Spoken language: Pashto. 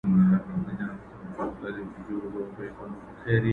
او د کندهار ښار په هغه روضه باغ کي ښخ کړ